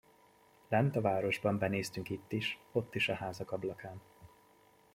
Lent a városban benéztünk itt is, ott is a házak ablakán.